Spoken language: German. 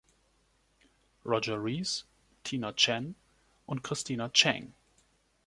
Roger Rees, Tina Chen und Christina Chang.